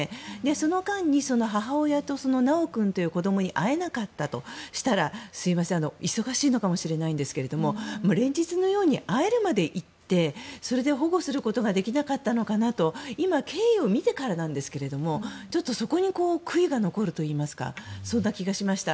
その間に母親と修君という子どもに会えなかったとしたら忙しいのかもしれないんですが連日のように会えるまで行ってそれで保護することができなかったのかなと今、経緯を見てからなんですがそこに悔いが残るといいますかそんな気がしました。